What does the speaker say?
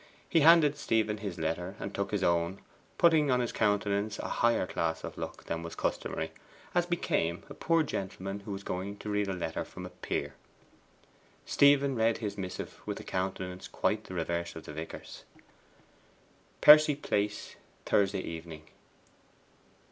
He handed Stephen his letter, and took his own, putting on his countenance a higher class of look than was customary, as became a poor gentleman who was going to read a letter from a peer. Stephen read his missive with a countenance quite the reverse of the vicar's. 'PERCY PLACE, Thursday Evening.